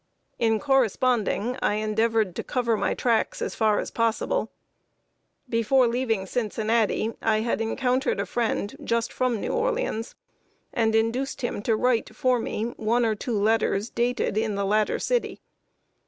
In corresponding, I endeavored to cover my tracks as far as possible. Before leaving Cincinnati, I had encountered a friend just from New Orleans, and induced him to write for me one or two letters, dated in the latter city.